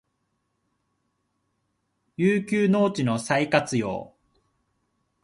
遊休農地の再活用